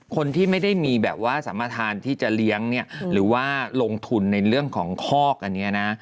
คนที่ไม่ได้มีแบบว่าสัมมาทานที่จะเลี้ยงเนี่ยหรือว่าลงทุนในเรื่องของคอกอันนี้นะ